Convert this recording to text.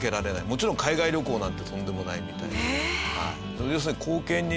もちろん海外旅行なんてとんでもないみたいな。